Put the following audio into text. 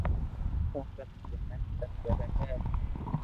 تو ڪو مني تنگ ڪري ھي